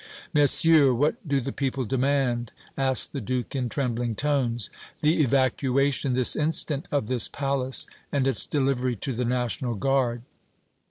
"Messieurs, what do the people demand?" asked the Duke in trembling tones. "The evacuation, this instant, of this palace, and its delivery to the National Guard!"